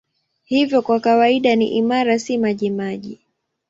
Hivyo kwa kawaida ni imara, si majimaji.